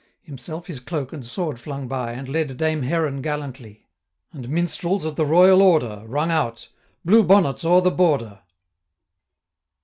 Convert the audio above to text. Himself his cloak and sword flung by, And led Dame Heron gallantly; And Minstrels, at the royal order, Rung out 'Blue Bonnets o'er the Border.'